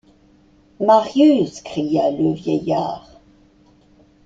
Marius ! cria le vieillard.